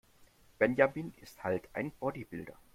Benjamin ist halt ein Bodybuilder.